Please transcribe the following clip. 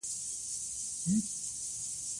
ازادي راډیو د سوله په اړه د ټولنې د ځواب ارزونه کړې.